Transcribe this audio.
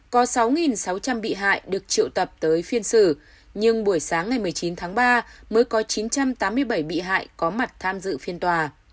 có sáu sáu trăm linh bị hại được triệu tập tới phiên xử nhưng buổi sáng ngày một mươi chín tháng ba mới có chín trăm tám mươi bảy bị hại có mặt tham dự phiên tòa